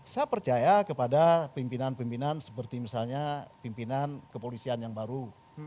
saya percaya kepada pimpinan pimpinan seperti misalnya pimpinan kepolisian yang baru